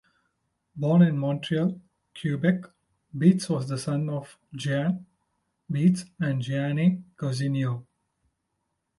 Born in Montreal, Quebec, Beetz was the son of Jean Beetz and Jeanne Cousineau.